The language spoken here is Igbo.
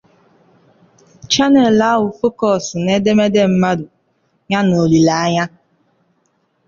The channel focuses on biography and entertainment videos.